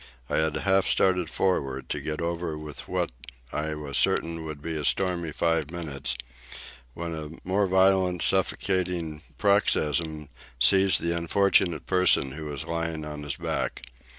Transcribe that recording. I had half started forward, to get over with what I was certain would be a stormy five minutes, when a more violent suffocating paroxysm seized the unfortunate person who was lying on his back.